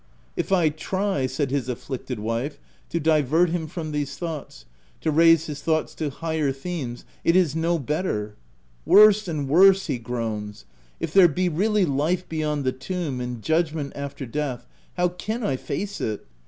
" If I try," said his afflicted wife, " to divert him from these things — to raise his thoughts to higher themes, it is no better :— c Worse and worse !' he groans. I If there be really life be yond the tomb, and judgment after death, how caw 1 face it